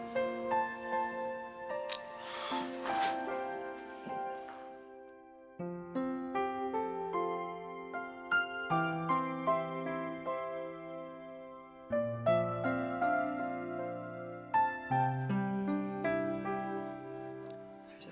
pergi pergi kamu dari sini